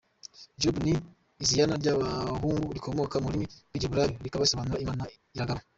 Job ni iziana ry’abahungu rikomoka ku rurimi rw’Igiheburayio rikaba risobanura “Imana iragaba”.